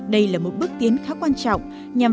đây là một bước tiến khá quan trọng